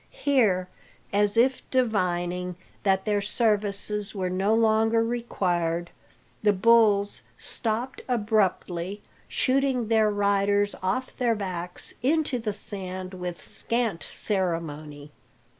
Here, as if divining that their services were no longer required, the bulls stopped abruptly, shooting their riders off their backs into the sand with scant ceremony.